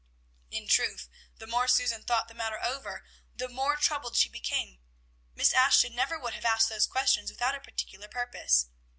In truth, the more Susan thought the matter over, the more troubled she became. Miss Ashton never would have asked those questions without a particular purpose.